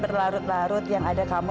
berlarut larut yang ada kamu